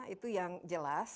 itu yang jelas